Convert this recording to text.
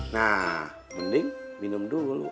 nah mending minum dulu